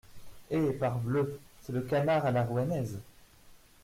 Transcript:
Eh ! parbleu, c’est le canard à la Rouennaise !